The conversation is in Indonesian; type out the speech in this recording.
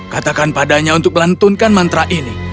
katakan padanya untuk melantunkan mantra ini